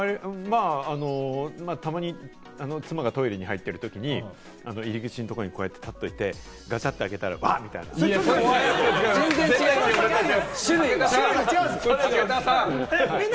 たまに妻がトイレに入ってるときに、入り口のところに立っておいて、ガチャって開けたら、ワッ！というような。